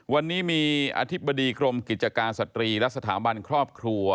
วันนี้มีอธิบดีกรมกิจการสตรีและสถาบันครอบครัว